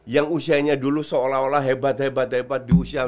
yang usianya dulu seolah olah hebat hebat hebat dulu ya